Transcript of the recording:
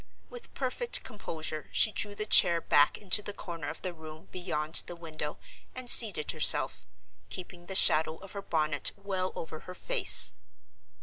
With perfect composure she drew the chair back into the corner of the room beyond the window and seated herself, keeping the shadow of her bonnet well over her face.